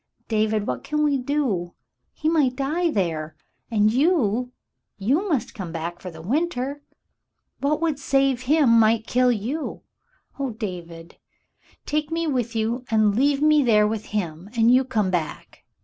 David, what can we do ? He might die there, and you — you must come back for the winter ; what would save him, might kill you. Oh, David ! Take me with you, and leave me there with him, and you come back.